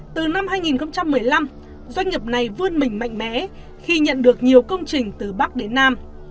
từ năm hai nghìn một mươi năm doanh nghiệp này vươn mình mạnh mẽ khi nhận được nhiều công trình từ bắc đến nam